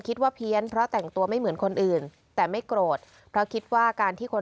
คิดว่าเพี้ยนเพราะแต่งตัวไม่เหมือนคนอื่นแต่ไม่โกรธเพราะคิดว่าการที่คน